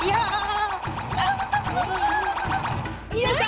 よいしょ！